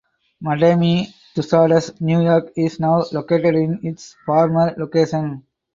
Madame Tussauds New York is now located in its former location.